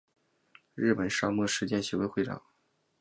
日本沙漠实践协会会长。